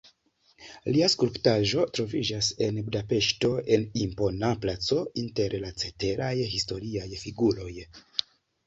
Lia skulptaĵo troviĝas en Budapeŝto en impona placo inter la ceteraj historiaj figuroj.